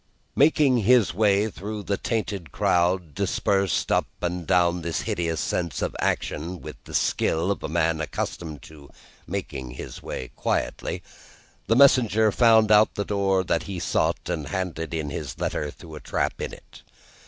Making his way through the tainted crowd, dispersed up and down this hideous scene of action, with the skill of a man accustomed to make his way quietly, the messenger found out the door he sought, and handed in his letter through a trap in it.